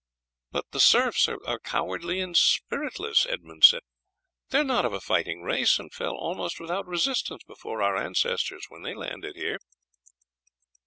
"But the serfs are cowardly and spiritless," Edmund said; "they are not of a fighting race, and fell almost without resistance before our ancestors when they landed here."